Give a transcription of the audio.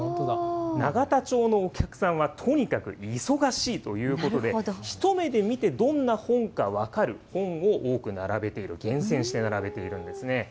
永田町のお客さんはとにかく忙しいということで、一目で見てどんな本か分かる本を多く並べている、厳選して並べているんですね。